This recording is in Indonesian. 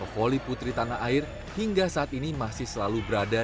poliputri tanah air hingga saat ini masih selalu berada